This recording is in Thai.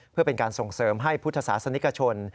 เพื่อเป็นการส่งเสริมให้พุทธศาสนิกชน